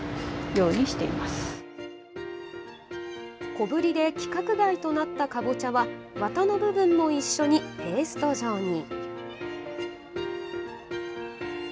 小ぶりで規格外となったかぼちゃはワタの部分も一緒にペースト状に。